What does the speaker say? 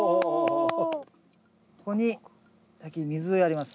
ここに先に水をやります。